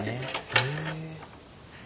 へえ。